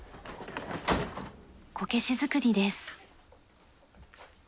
こけし作りです。